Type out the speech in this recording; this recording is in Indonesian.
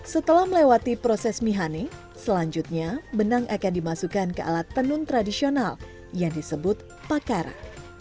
setelah melewati proses mihane selanjutnya benang akan dimasukkan ke alat tenun tradisional yang disebut pakara